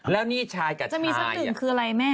แล้วนี่ชายกัดจะมีสักหนึ่งคืออะไรแม่